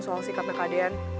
soal sikapnya kak dehan